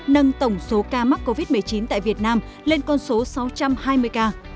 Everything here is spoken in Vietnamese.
nâng tổng số ca mắc covid một mươi chín tại việt nam lên con số sáu trăm hai mươi ca